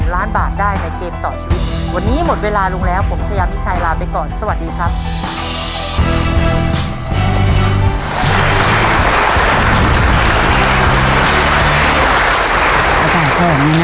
วันนี้หมดเวลาลุงแล้วผมชายามิชัยลาไปก่อนสวัสดีครับ